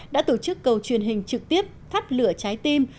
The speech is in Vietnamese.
đã tổ chức cầu truyền hình trực tiếp phát lửa trái tim